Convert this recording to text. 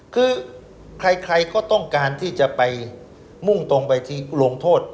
คือใครก็ต้องการที่จะไปมุ่งตรงไปที่ลงโทษ